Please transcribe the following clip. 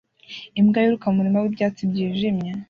Imbwa yiruka mu murima wibyatsi byijimye